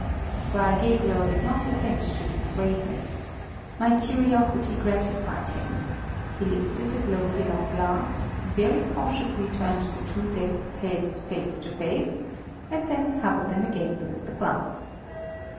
Squire Gabriel did not attempt to dissuade me. My curiosity gratified him, he lifted the globular glass, very cautiously turned the two death's heads face to face, and then covered them again with the glass.